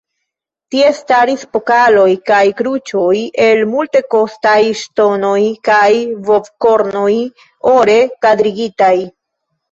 Tie staris pokaloj kaj kruĉoj el multekostaj ŝtonoj kaj bovkornoj, ore kadrigitaj.